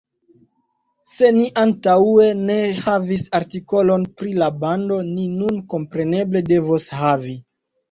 Se ni antaŭe ne havis artikolon pri la bando ni nun kompreneble devos havi!